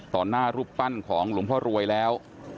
หน้ารูปปั้นของหลวงพ่อรวยแล้ว